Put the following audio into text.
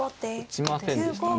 打ちませんでしたね。